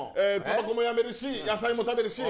タバコもやめるし野菜も食べるし